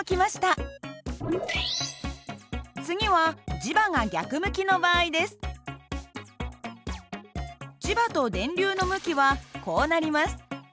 磁場と電流の向きはこうなります。